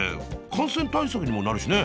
感染対策にもなるしね。